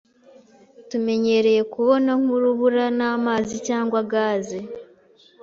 tumenyereye kubona nk'urubura namazi cyangwa gaze